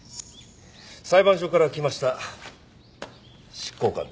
裁判所から来ました執行官です。